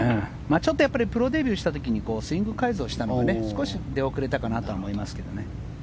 ちょっとプロデビューした時にスイング改造したので少し出遅れたかなと思いますけど。